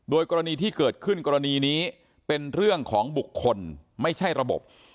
กรณีที่เกิดขึ้นกรณีนี้เป็นเรื่องของบุคคลไม่ใช่ระบบ